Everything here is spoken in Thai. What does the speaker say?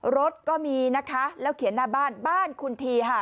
รถก็มีนะคะแล้วเขียนหน้าบ้านบ้านคุณทีค่ะ